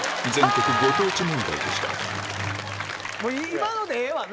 今のでええわな！